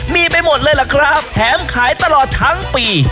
มีไปหมดเลยล่ะครับแถมขายตลอดทั้งปี